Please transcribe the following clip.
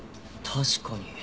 確かに。